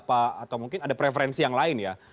atau mungkin ada preferensi yang lain ya